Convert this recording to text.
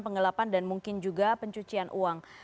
penggelapan dan mungkin juga pencucian uang